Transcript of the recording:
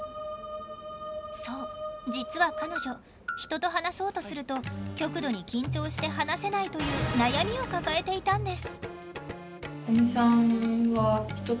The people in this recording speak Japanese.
そう実は彼女人と話そうとすると極度に緊張して話せないという悩みを抱えていたんです。